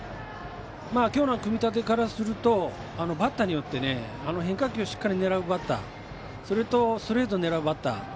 きょうの組み立てからするとバッターによって変化球しっかり狙うバッターストレートを狙うバッター